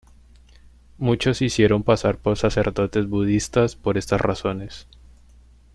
Muchos se hicieron pasar por sacerdotes budistas por estas razones.